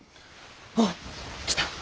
おお！来た！